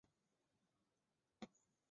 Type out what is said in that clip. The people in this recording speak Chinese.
屈安丰塞格里韦。